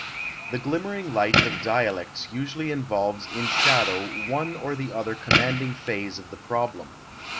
The glimmering light of dialectics usually involves in shadow one or other commanding phase of the problem.